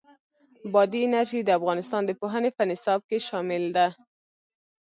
بادي انرژي د افغانستان د پوهنې په نصاب کې شامل ده.